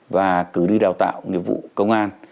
và cử đi đào tạo nghĩa vụ công an